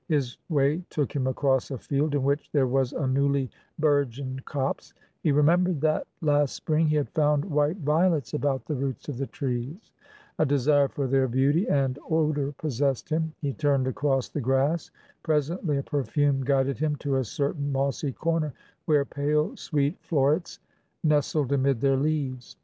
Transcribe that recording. His way took him across a field in which there was a newly bourgeoned copse; he remembered that, last spring, he had found white violets about the roots of the trees. A desire for their beauty and odour possessed him; he turned across the grass. Presently a perfume guided him to a certain mossy corner where pale sweet florets nestled amid their leaves.